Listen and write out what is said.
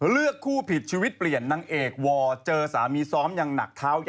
เลือกคู่ผิดชีวิตเปลี่ยนนางเอกว่า